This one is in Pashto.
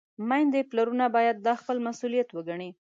میندې، پلرونه باید دا خپل مسؤلیت وګڼي.